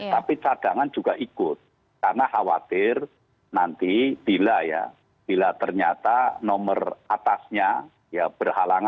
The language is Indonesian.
tapi cadangan juga ikut karena khawatir nanti bila ya bila ternyata nomor atasnya ya berhalangan